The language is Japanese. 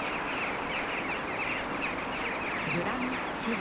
「グラン・シエクル」